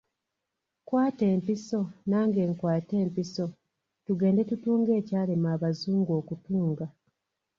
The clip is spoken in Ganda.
Kwata empiso nange nkwate empiso tugende tutunge ekyalema abazungu okutunga.